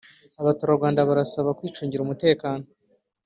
Abaturarwanda barasabwa kwicungira umutekano